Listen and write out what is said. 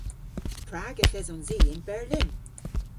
Prag yth esons i yn Berlin?